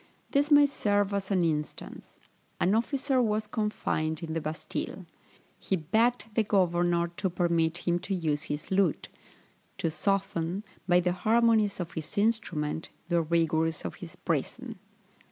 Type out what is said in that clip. This may serve as an instance: An officer was confined in the Bastile; he begged the governor to permit him the use of his lute, to soften, by the harmonies of his instrument, the rigours of his prison.